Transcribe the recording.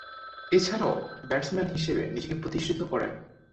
এছাড়াও, ব্যাটসম্যান হিসেবেও নিজেকে প্রতিষ্ঠিত করেন।